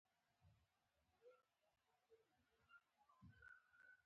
دا دروازه لویه ده